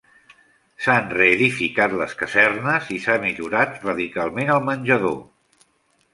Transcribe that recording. S'han reedificat les casernes i s'han millorat radicalment el menjador.